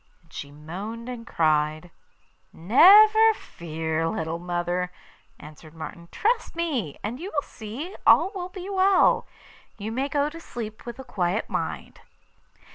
and she moaned and cried. 'Never fear, little mother,' answered Martin; 'trust me, and you will see all will be well. You may go to sleep with a quiet mind.